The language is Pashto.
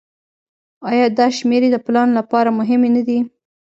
آیا دا شمیرې د پلان لپاره مهمې نه دي؟